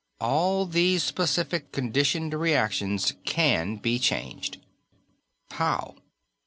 All these specific, conditioned reactions can be changed." "How?"